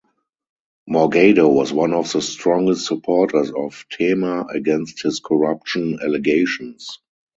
Morgado was one of the strongest supporters of Temer against his corruption allegations.